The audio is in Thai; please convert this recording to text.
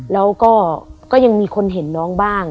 แล้วก็ก็ยังมีคนเห็นน้องบ้าง